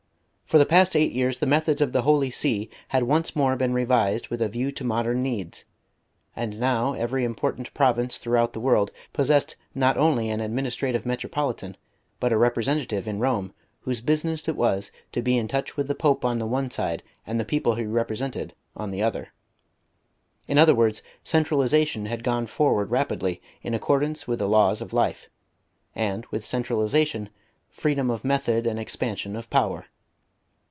For the past eight years the methods of the Holy See had once more been revised with a view to modern needs, and now every important province throughout the world possessed not only an administrative metropolitan but a representative in Rome whose business it was to be in touch with the Pope on the one side and the people he represented on the other. In other words, centralisation had gone forward rapidly, in accordance with the laws of life; and, with centralisation, freedom of method and expansion of power.